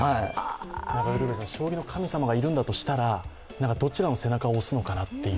将棋の神様がいるんだとしたらどちらの背中を押すのかなっていう。